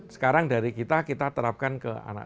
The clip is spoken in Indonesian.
sekarang dari kita kita terapkan ke anak